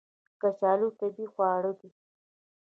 کچالو طبیعي خواړه دي